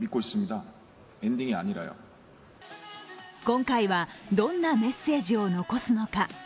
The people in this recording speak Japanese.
今回はどんなメッセージを残すのか。